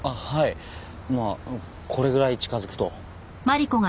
まあこれぐらい近づくと。